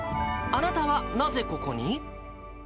あなたはなぜここに？